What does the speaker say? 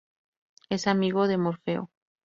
Es amigo de Morfeo.